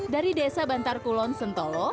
dari desa bantar kulon sentolo